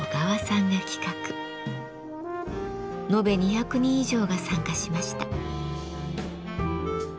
延べ２００人以上が参加しました。